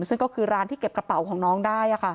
ซึ่งก็คือร้านที่เก็บกระเป๋าของน้องได้